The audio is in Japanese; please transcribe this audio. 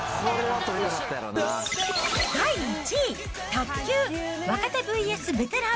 第１位、卓球、若手ＶＳベテラン。